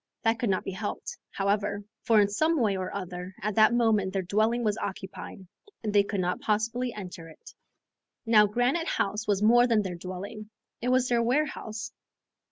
That could not be helped, however, for in some way or other at that moment their dwelling was occupied, and they could not possibly enter it. Now Granite House was more than their dwelling, it was their warehouse.